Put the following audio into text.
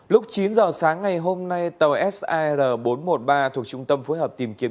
lúc chín giờ sáng ngày hôm nay tàu sar bốn trăm một mươi ba thuộc trung tâm phối hợp tìm kiếm